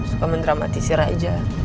suka mendramatisi raja